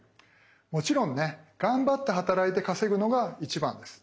もちろんね頑張って働いて稼ぐのが一番です。